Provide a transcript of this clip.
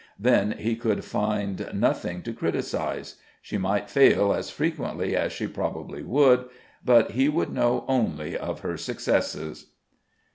Then he could find nothing to criticise; she might fail as frequently as she probably would, but he would know only of her successes.